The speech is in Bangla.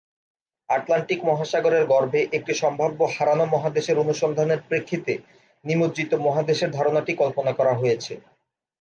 আটলান্টিক মহাসাগরের গর্ভে একটি সম্ভাব্য হারানো মহাদেশের অনুসন্ধানের প্রেক্ষিতে নিমজ্জিত মহাদেশের ধারণাটি কল্পনা করা হয়েছে।